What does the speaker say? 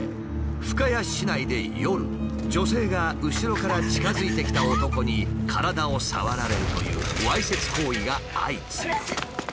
深谷市内で夜女性が後ろから近づいてきた男に体を触られるというわいせつ行為が相次いだ。